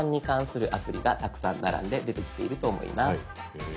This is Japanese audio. へえ。